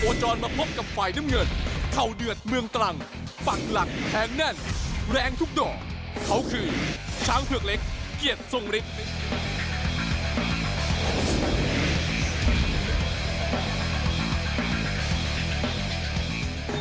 จรมาพบกับฝ่ายน้ำเงินเข่าเดือดเมืองตรังฝั่งหลักแทงแน่นแรงทุกดอกเขาคือช้างเผือกเล็กเกียรติทรงฤทธิ์